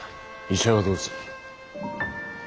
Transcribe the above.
医者はどうする。